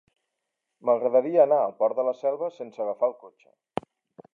M'agradaria anar al Port de la Selva sense agafar el cotxe.